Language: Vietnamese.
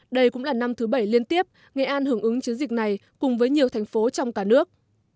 đây cũng là năm thứ bảy liên tiếp nghệ an hưởng ứng chiến dịch này cùng với nhiều thành phố trong cả nước